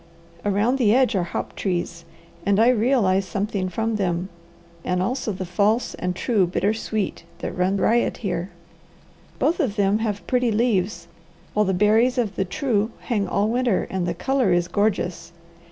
Around the edge are hop trees, and I realize something from them, and also the false and true bitter sweet that run riot here. Both of them have pretty leaves, while the berries of the true hang all winter and the colour is gorgeous.